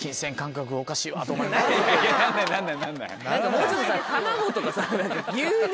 もうちょっとさ。